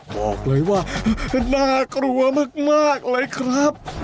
บอกเลยว่าน่ากลัวมากเลยครับ